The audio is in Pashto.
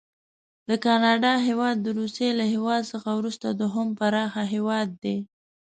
د کاناډا هیواد د روسي له هیواد څخه وروسته دوهم پراخ هیواد دی.